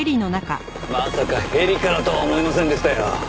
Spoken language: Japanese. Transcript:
まさかヘリからとは思いませんでしたよ。